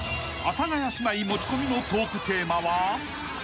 ［阿佐ヶ谷姉妹持ち込みのトークテーマは］